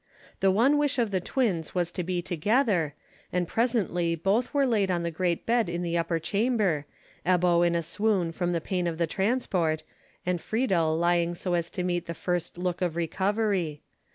The one wish of the twins was to be together, and presently both were laid on the great bed in the upper chamber, Ebbo in a swoon from the pain of the transport, and Friedel lying so as to meet the first look of recovery.